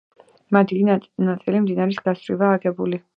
მათი დიდი ნაწილი მდინარის გასწვრივაა აგებული.